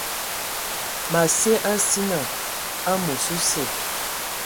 Ma sye a nsina amos osə.